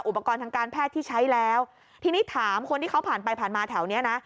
อุปกรณ์ทางการแพทย์ที่ใช้แล้วทีนี้ถามคนที่เขาผ่านไปผ่านมาแถวเนี้ยนะ